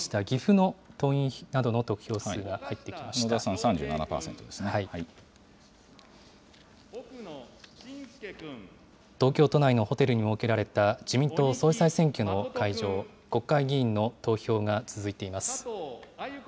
野田さん、東京都内のホテルに設けられた、自民党総裁選挙の会場、国会議員の投票が続いています。